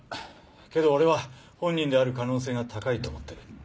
けど俺は本人である可能性が高いと思ってる。